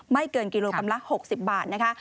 เกินกิโลกรัมละ๖๐บาทนะคะ